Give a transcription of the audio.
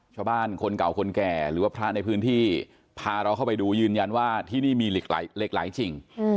คนเก่าคนแก่หรือว่าพระในพื้นที่พาเราเข้าไปดูยืนยันว่าที่นี่มีเหล็กไหลจริง